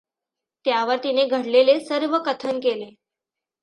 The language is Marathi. त्यावर तिने घडलेले सर्व कथन केले.